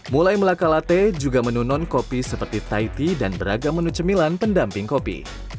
mulai melaca latte juga menu non kopi seperti taiti dan beragam menu cemilan pendamping kopi